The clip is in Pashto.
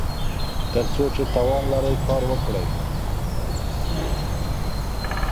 تر څو چې توان لرئ کار وکړئ.